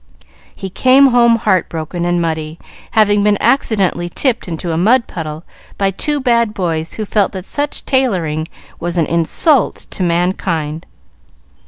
He came home heart broken and muddy, having been accidentally tipped into a mud puddle by two bad boys who felt that such tailoring was an insult to mankind.